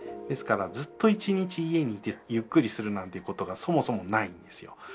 ですからずっと一日家にいてゆっくりするなんてことがそもそもないんですよ。